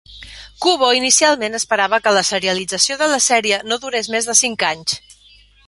Kubo inicialment esperava que la serialització de la sèrie no durés més de cinc anys.